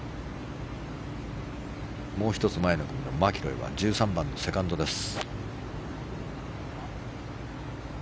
もう１つ前の組のマキロイは１３番のセカンドです。